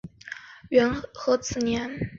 享和元年之子。